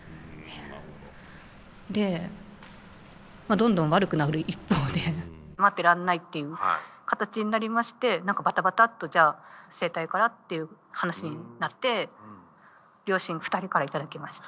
まあどんどん悪くなる一方で待ってらんないっていう形になりまして何かバタバタッとじゃあ生体からっていう話になって両親２人から頂きました。